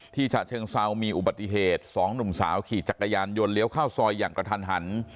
ฉะเชิงเซามีอุบัติเหตุสองหนุ่มสาวขี่จักรยานยนต์เลี้ยวเข้าซอยอย่างกระทันหัน